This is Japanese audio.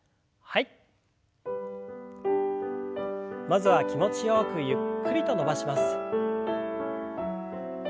まずは気持ちよくゆっくりと伸ばします。